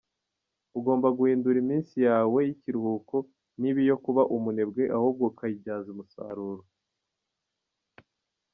Ugomba guhindura iminsi yawe y’ikiruhuko ntibe iyo kuba umunebwe ahubwo ukayibyaza umusaruro.